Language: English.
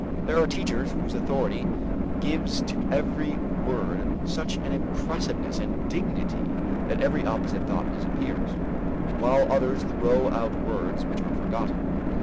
There are teachers whose authority gives to every word such an impressiveness and dignity that every opposite thought disappears, while others throw out words which are forgotten.